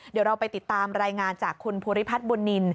เดี๋ยวเราไปติดตามรายงานจากคุณภูริพัฒน์บุญนิน